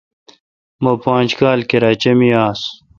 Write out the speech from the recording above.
می پانج کال کراچی می آس۔